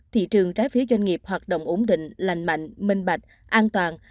thị trường trái phiếu doanh nghiệp hoạt động ổn định lành mạnh minh bạch an toàn